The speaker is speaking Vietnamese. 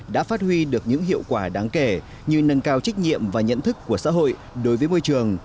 đã phát huy được những hiệu quả đáng kể như nâng cao trách nhiệm và nhận thức của xã hội đối với môi trường